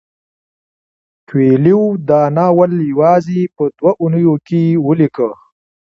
کویلیو دا ناول یوازې په دوه اونیو کې ولیکه.